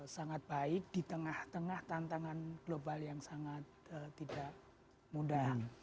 sangat baik di tengah tengah tantangan global yang sangat tidak mudah